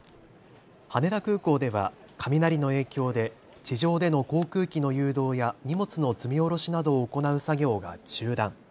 羽田空港では雷の影響で地上での航空機の誘導や荷物の積み降ろしなどを行う作業が中断。